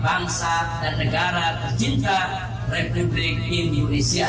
bangsa kita negara kita rakyat kita